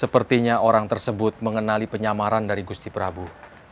sepertinya orang tersebut mengenali penyamaran dari gusti prabu